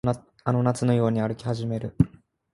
あの夏のように歩き始める